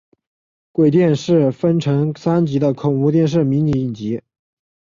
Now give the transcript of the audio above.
鬼店是分成三集的恐怖电视迷你影集。